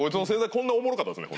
こんなおもろかったんですね